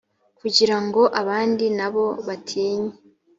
kugira ngo abandi na bo batinye